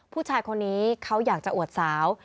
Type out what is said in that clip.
ผู้ชายคนนี้เขาอยากจะอวดสาว